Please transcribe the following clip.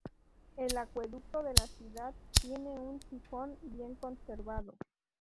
El acueducto de la ciudad tiene un sifón bien conservado.